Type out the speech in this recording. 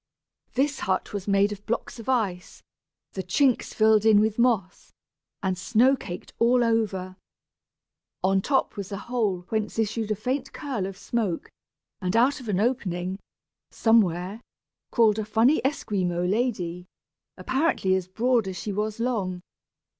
This hut was made of blocks of ice, the chinks filled in with moss, and snow caked over all. On top was a hole whence issued a faint curl of smoke, and out of an opening, somewhere, crawled a funny Esquimaux lady, apparently as broad as she was long.